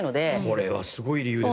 これはすごい理由ですよ